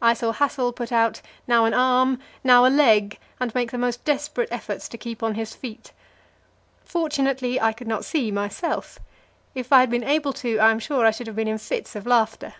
I saw Hassel put out, now an arm; now a leg, and make the most desperate efforts to keep on his feet. Fortunately I could not see myself; if I had been able to, I am sure I should have been in fits of laughter.